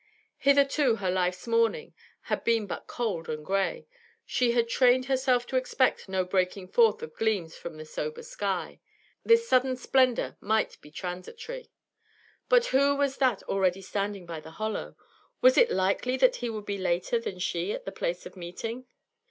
Hitherto her life's morning had been but cold and grey; she had trained herself to expect no breaking forth of gleams from the sober sky. This sudden splendour might be transitory. But who was that already standing by the hollow? Was it likely that he would be later than she at the place of meeting!